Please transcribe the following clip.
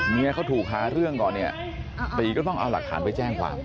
เขาถูกหาเรื่องก่อนเนี่ยตีก็ต้องเอาหลักฐานไปแจ้งความ